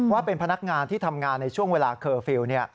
ว่าเป็นพนักงานที่ทำงานในช่วงเวลาเคอร์ฟิลล์